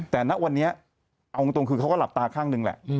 แต่ณวันนี้เอาจริงคือเขาก็หลับตาข้างหนึ่งแหละ